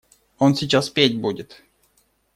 Он сейчас петь будет.